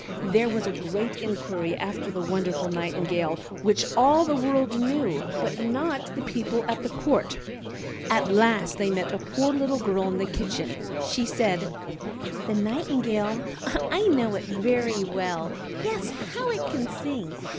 There was a great inquiry after the wonderful Nightingale, which all the world knew, but not the people at court. At last they met with a poor little girl in the kitchen. She said: "The Nightingale? I know it well; yes, how it can sing!